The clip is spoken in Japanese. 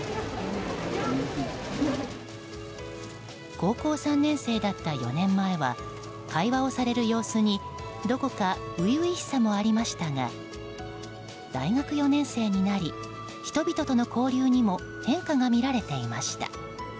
高校３年生だった４年前は会話をされる様子にどこか初々しさもありましたが大学４年生になり人々との交流にも変化がみられていました。